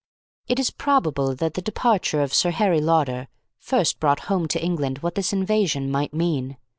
It is probable that the departure of Sir Harry Lauder first brought home to England what this invasion might mean.